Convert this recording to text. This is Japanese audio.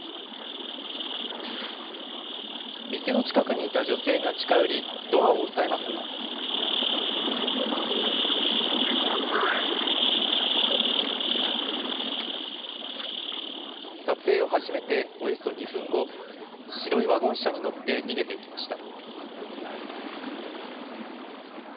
店の近くにいた女性が近寄り、撮影を始めておよそ２分後、白いワゴン車に乗って逃げていきました。